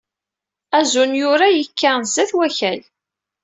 Azunyur-a yekka sdat Wakal.